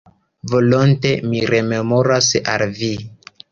Volonte mi rememoras al Vi.